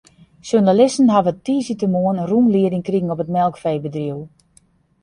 Sjoernalisten hawwe tiisdeitemoarn in rûnlieding krigen op it melkfeebedriuw.